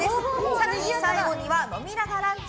更に最後には飲みながランチ！